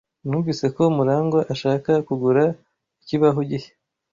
Numvise ko Murangwa ashaka kugura ikibaho gishya.